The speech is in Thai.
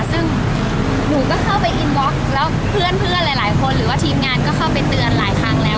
ซึ่งหนูก็เข้าไปอินบล็อกซ์แล้วเพื่อนหลายคนหรือว่าทีมงานก็เข้าไปเตือนหลายครั้งแล้ว